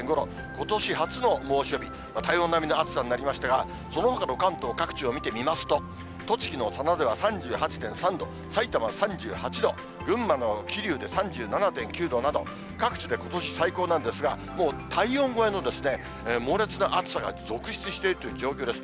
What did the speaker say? ことし初の猛暑日、体温並みの暑さになりましたが、そのほかの関東各地を見てみますと、栃木の佐野では３８．３度、さいたま３８度、群馬の桐生で３７．９度など、各地でことし最高なんですが、もう体温超えの猛烈な暑さが続出しているという状況です。